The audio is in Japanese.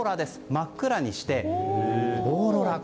真っ暗にして、オーロラ。